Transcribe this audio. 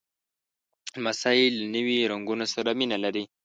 لمسی له نوي رنګونو سره مینه لري.